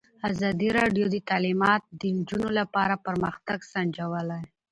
ازادي راډیو د تعلیمات د نجونو لپاره پرمختګ سنجولی.